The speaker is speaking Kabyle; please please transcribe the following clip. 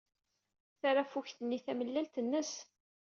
Tarafukt-nni tamellalt nnes.